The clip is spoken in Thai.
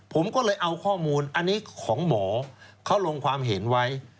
ผมก็เลยเอาข้อมูลอันนี้ของหมอเขาลงความเห็นไว้